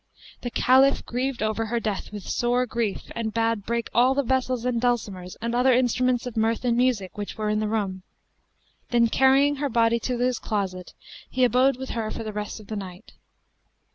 The Caliph grieved over her death with sore grief and bade break all the vessels and dulcimers[FN#217] and other instruments of mirth and music which were in the room; then carrying her body to his closet, he abode with her the rest of the night.